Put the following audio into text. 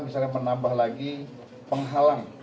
misalnya menambah lagi penghalang